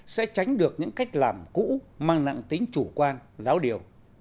sẽ tránh được những cách làm cũ mang nặng tính chủ quan giáo điều